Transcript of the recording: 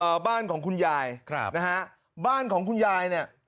บ้านของคุณยายครับนะฮะบ้านของคุณยายเนี่ย